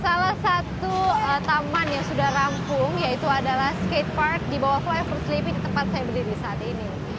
salah satu taman yang sudah rampung yaitu adalah skate park di bawah kue f empat sleeping tempat saya berdiri saat ini